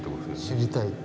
知りたい。